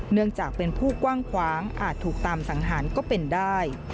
เนื่องจากเป็นผู้กว้างขวางอาจถูกตามสังหารก็เป็นได้